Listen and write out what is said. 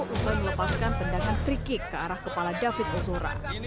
usai melepaskan tendangan free kick ke arah kepala david osora